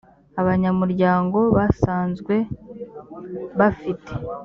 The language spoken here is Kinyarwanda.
abanyamuryango basanzwe bafite